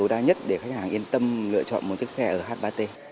là nói chung thì luôn luôn là